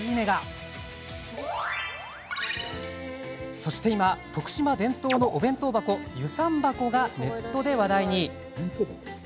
そして今、徳島伝統のお弁当箱遊山箱がネットで話題に。